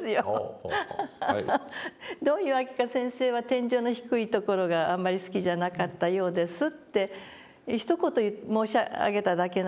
「どういうわけか先生は天井の低いところがあんまり好きじゃなかったようです」ってひと言申し上げただけなんですけれどもね。